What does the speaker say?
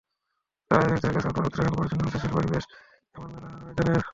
তারা আয়োজকদের কাছে অনুরোধ রাখেন পরিচ্ছন্ন রুচিশীল পরিবেশে এমন মেলা আরও আয়োজনের।